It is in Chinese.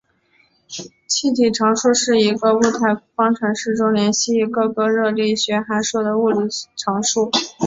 气体常数是一个在物态方程式中连系各个热力学函数的物理常数。